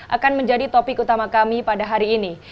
akan menjadi topik utama kami pada hari ini